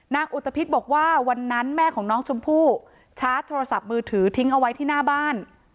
อุตภิษบอกว่าวันนั้นแม่ของน้องชมพู่ชาร์จโทรศัพท์มือถือทิ้งเอาไว้ที่หน้าบ้าน